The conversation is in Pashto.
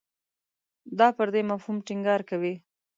دا پر دې مفهوم ټینګار کوي.